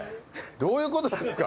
どういうことなんですか？